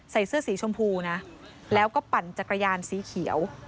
ใส่เสื้อสีชมพูนะแล้วก็ปั่นจักรยานสีเขียว